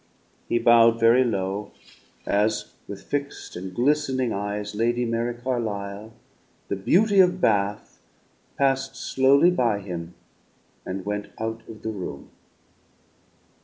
He bowed very low, as, with fixed and glistening eyes, Lady Mary Carlisle, the Beauty of Bath, passed slowly by him and went out of the room.